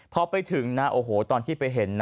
พอไปถึงตอนที่ไปเห็น